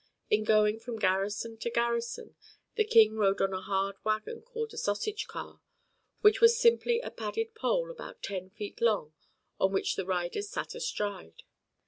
In going from garrison to garrison the King rode on a hard wagon called a sausage car, which was simply a padded pole about ten feet long on which the riders sat astride.